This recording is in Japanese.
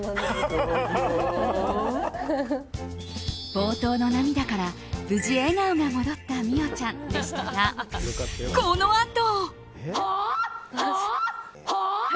冒頭の涙から無事、笑顔が戻った美桜ちゃんでしたがこのあと。